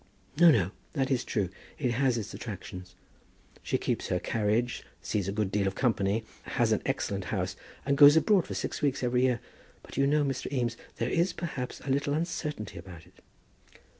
"No, no; that is true. It has its attractions. She keeps her carriage, sees a good deal of company, has an excellent house, and goes abroad for six weeks every year. But you know, Mr. Eames, there is, perhaps, a little uncertainty about it."